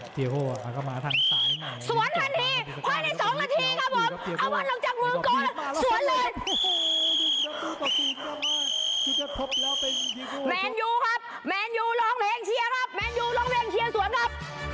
เป็นประสานประตูอยู่๒๘